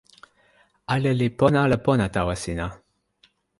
ale li pona ala pona tawa sina?